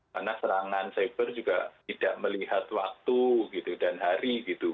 karena serangan cyber juga tidak melihat waktu gitu dan hari gitu